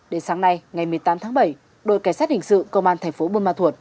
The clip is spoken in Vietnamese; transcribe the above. đến sáng nay ngày một mươi tám tháng bảy đội kẻ xác hình sự công an thành phố bùa ma thuột